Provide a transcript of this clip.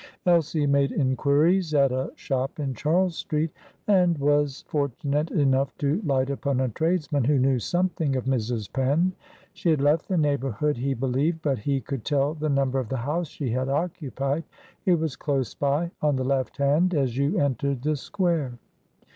Elsie made inquiries at a shop in Charles Street, and was fortunate enough to light upon a tradesman who knew something of Mrs. Penn. She had left the neighbourhood, he believed, but he could tell the number of the house she had occupied. It was close by, on the left hand as you entered the square.